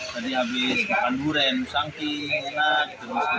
tadi habis makan durian sangki enak